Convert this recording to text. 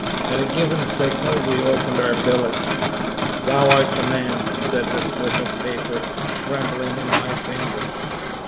At a given signal we opened our billets. "Thou art the man," said the slip of paper trembling in my fingers.